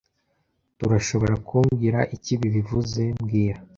Turashoborakumbwira icyo ibi bivuze mbwira